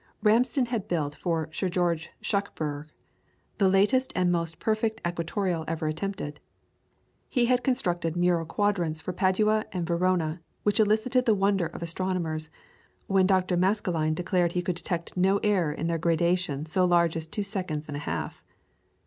Ramsden had built for Sir George Schuckburgh the largest and most perfect equatorial ever attempted. He had constructed mural quadrants for Padua and Verona, which elicited the wonder of astronomers when Dr. Maskelyne declared he could detect no error in their graduation so large as two seconds and a half.